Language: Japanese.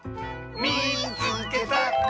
「みいつけた！」。